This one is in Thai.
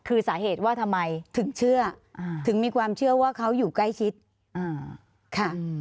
คือสาเหตุว่าทำไมถึงเชื่อถึงมีความเชื่อว่าเขาอยู่ใกล้ชิดค่ะ